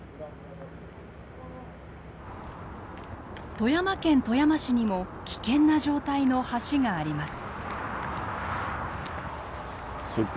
富山県富山市にも危険な状態の橋があります。